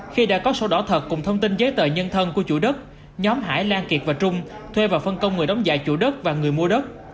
khi đã có sổ đỏ thật cùng thông tin giấy tờ nhân thân của chủ đất nhóm hải lan kiệt và trung thuê và phân công người đóng giả chủ đất và người mua đất